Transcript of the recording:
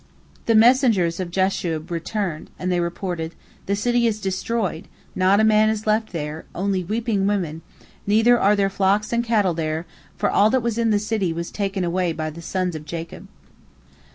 The messengers of Jashub returned, and they reported, "The city is destroyed, not a man is left there, only weeping women, neither are there flocks and cattle there, for all that was in the city was taken away by the sons of Jacob."